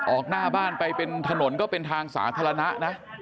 ออกหน้าบ้านไปเป็นถนนก็เป็นทางสาธารณะนะ